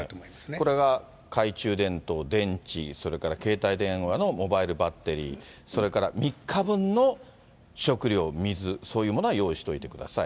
これが懐中電灯、電池、それから携帯電話のモバイルバッテリー、それから３日分の食料、水、そういうものは用意しておいてください。